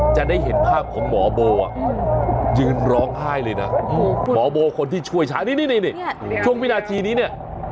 จะได้เห็นภาพของหมอโบยืนร้องไห้เลยนะหมอโบคนที่ช่วยช้างนี่ช่วงวินาทีนี้เนี่ย